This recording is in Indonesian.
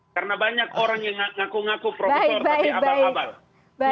karena banyak orang yang ngaku ngaku profesor tapi abal abal